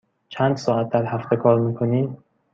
چند ساعت در هفته کار می کنی؟